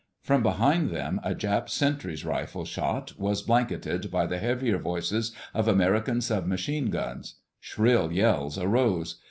From behind them a Jap sentry's rifle shot was blanketed by the heavier voices of American sub machine guns. Shrill yells arose.